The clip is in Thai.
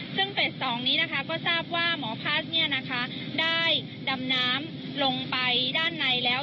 ซึ่งเฟส๒นี้นะคะก็ทราบว่าหมอพัสได้ดำน้ำลงไปด้านในแล้ว